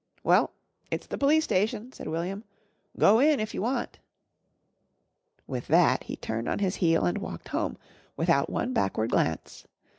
"Well, it's the Police Station," said William. "Go in if you want." With that he turned on his heel and walked home, without one backward glance.